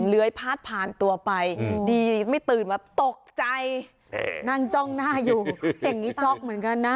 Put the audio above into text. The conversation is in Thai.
เลื้อยพาดผ่านตัวไปดีไม่ตื่นมาตกใจนั่งจ้องหน้าอยู่อย่างนี้ช็อกเหมือนกันนะ